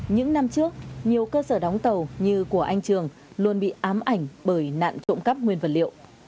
những năm trước nhiều cơ sở đóng tàu như của anh trường luôn bị ám ảnh bởi nạn trộm cắp nguyên vật liệu